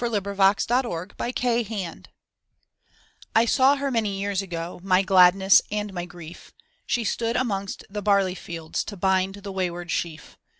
THE SAD YEARS THE QUEEN I SAW her many years ago, my gladness and my grief. She stood amongst the barley fields to bind the wayward sheaf.